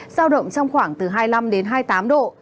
giao động trong khoảng từ hai mươi năm đến hai mươi tám độ